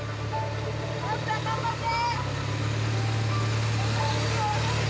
・直樹さん頑張って！